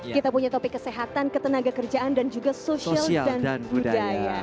kita punya topik kesehatan ketenaga kerjaan dan juga sosial dan budaya